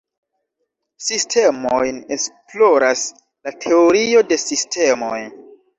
Sistemojn esploras la teorio de sistemoj.